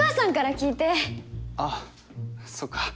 ああそっか。